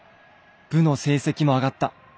部の成績も上がった。